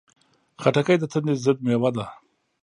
خټکی د تندې ضد مېوه ده.